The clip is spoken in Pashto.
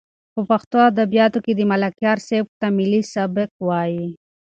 په پښتو ادبیاتو کې د ملکیار سبک ته ملي سبک وایي.